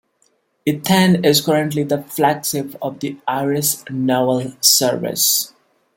"Eithne" is currently the flagship of the Irish Naval Service.